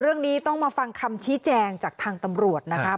เรื่องนี้ต้องมาฟังคำชี้แจงจากทางตำรวจนะครับ